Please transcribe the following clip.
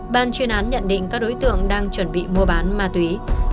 ban chuyên án nhận định các đối tượng đang chuẩn bị mua bán ma túy